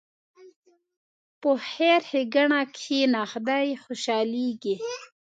په خیر ښېګڼه کښېنه، خدای خوشحالېږي.